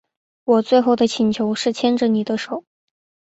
我最后的请求是牵着妳的手